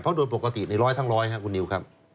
เพราะโดยปกติในร้อยทั้งร้อยครับคุณนิวครับ